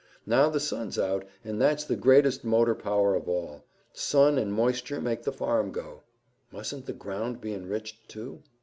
Now the sun's out, and that's the greatest motor power of all. Sun and moisture make the farm go." "Mustn't the ground be enriched, too?"